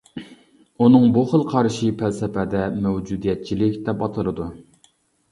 ئۇنىڭ بۇ خىل قارىشى پەلسەپىدە مەۋجۇدىيەتچىلىك دەپ ئاتىلىدۇ.